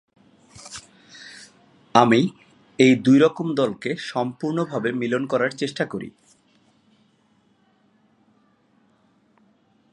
আমি এই দুই রকম দলকে সম্পূর্ণভাবে মিলন করার চেষ্টা করি।